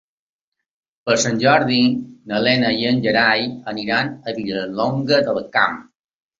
Per Sant Jordi na Lena i en Gerai iran a Vilallonga del Camp.